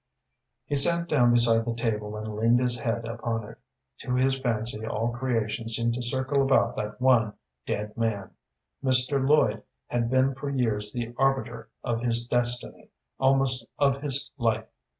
He sat down beside the table and leaned his head upon it. To his fancy all creation seemed to circle about that one dead man. Mr. Lloyd had been for years the arbiter of his destiny, almost of his life.